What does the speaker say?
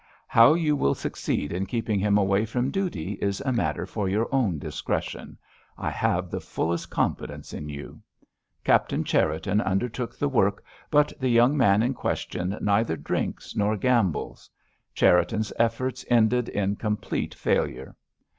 How you will succeed in keeping him away from duty is a matter for your own discretion—I have the fullest confidence in you. Captain Cherriton undertook the work, but the young man in question neither drinks nor gambles. Cherriton's efforts ended in complete failure.